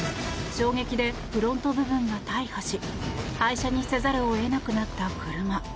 衝撃でフロント部分が大破し廃車にせざるを得なくなった車。